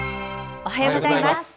おはようございます。